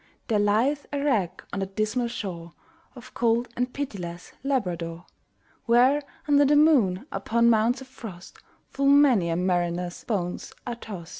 There lieth a wreck on the dismal shore Of cold and pitiless Labrador; Where, under the moon, upon mounts of frost, Full many a mariner's bones are tost.